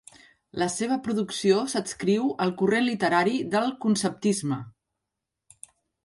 La seva producció s'adscriu al corrent literari del conceptisme.